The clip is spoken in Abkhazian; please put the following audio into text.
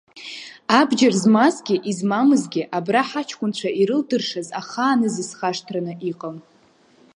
Абџьар змазгьы измамызгьы абра ҳаҷкәынцәа ирылдыршаз ахааназ исхашҭраны иҟам.